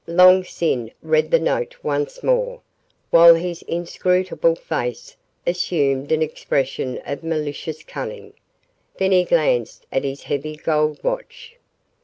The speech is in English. Long Sin read the note once more, while his inscrutable face assumed an expression of malicious cunning. Then he glanced at his heavy gold watch.